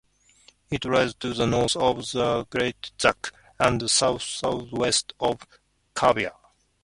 It lies to the north of the crater Zach, and south-southwest of Cuvier.